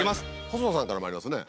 細田さんからもありますね